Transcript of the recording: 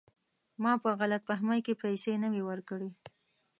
ما په غلط فهمۍ کې پیسې نه وې ورکړي.